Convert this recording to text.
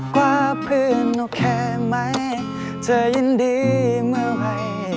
ว่าเพื่อนโอเคไหมเธอยินดีเมื่อไหว